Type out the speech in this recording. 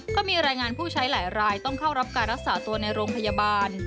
ก็มีรายงานผู้ใช้หลายรายต้องเข้ารับการรักษาตัวในโรงพยาบาล